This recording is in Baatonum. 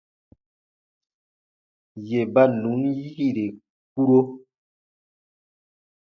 Yè ba nùn yiire kpuro.